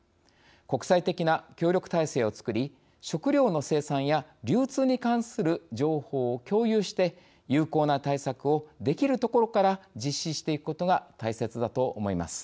国際的な協力体制をつくり食糧の生産や流通に関する情報を共有して、有効な対策をできるところから実施していくことが大切だと思います。